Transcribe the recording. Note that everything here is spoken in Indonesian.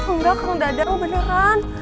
enggak kong dadeng beneran